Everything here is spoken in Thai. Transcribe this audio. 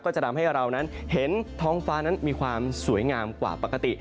จะทำให้เรานั้นเห็นท้องฟ้านั้นมีความสวยงามกว่าปกติ